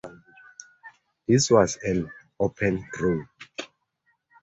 This was an open draw.